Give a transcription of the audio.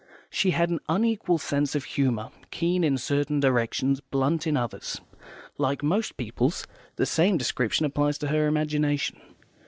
She had an unequal sense of humour, keen in certain directions, blunt in others, like most people's; the same description applies to her imagination.